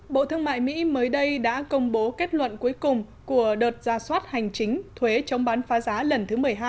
bộ thương mại mỹ mới đây đã công bố kết luận cuối cùng của đợt ra soát hành chính thuế chống bán phá giá lần thứ một mươi hai